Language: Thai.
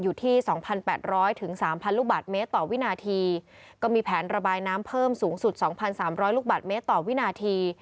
อยู่ที่สองพันแปดร้อยถึงสามพันลูกบาทเมตรต่อวินาทีก็มีแผนระบายน้ำเพิ่มสูงสุดสองพันสามร้อยลูกบาทเมตรต่อวินาที